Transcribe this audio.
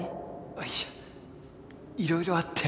いやいろいろあって。